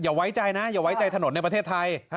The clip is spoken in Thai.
ไว้ใจนะอย่าไว้ใจถนนในประเทศไทย